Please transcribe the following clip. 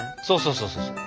そうそうそう。